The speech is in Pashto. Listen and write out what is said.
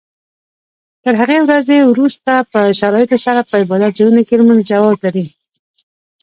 تر هغې ورځې وروسته په شرایطو سره په عبادت ځایونو کې لمونځ جواز لري.